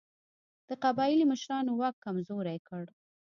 د قبایلي مشرانو واک کمزوری کړ.